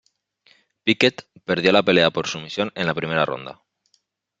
Pickett perdió la pelea por sumisión en la primera ronda.